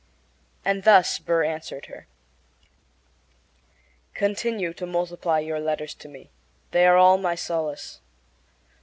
And thus Burr answered her: Continue to multiply your letters to me. They are all my solace.